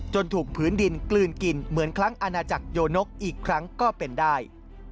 ถูกพื้นดินกลืนกินเหมือนครั้งอาณาจักรโยนกอีกครั้งก็เป็นได้